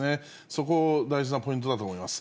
そこ、大事なポイントだと思います。